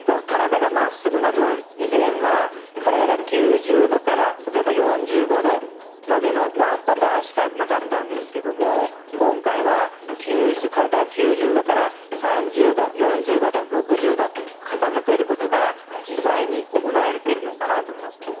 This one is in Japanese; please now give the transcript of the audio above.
体がまっすぐな分、以前は体が９０度から例えば４５度までのワンパターンしかなかったんですけども今回は９０度から３０度、４５度、６０度傾けることが自在に行えているのかなと思います。